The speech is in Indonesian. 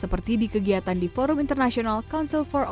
seperti di kegiatan di forum internasional council for open university